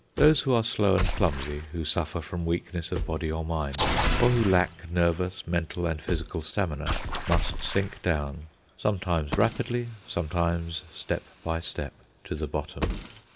Those who are slow and clumsy, who suffer from weakness of body or mind, or who lack nervous, mental, and physical stamina, must sink down, sometimes rapidly, sometimes step by step, to the bottom.